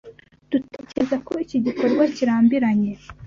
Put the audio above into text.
Dutekereza ko iki gikorwa kirambiranye.